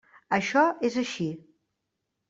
Això és així.